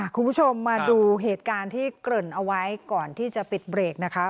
คุณผู้ชมมาดูเหตุการณ์ที่เกริ่นเอาไว้ก่อนที่จะปิดเบรกนะคะ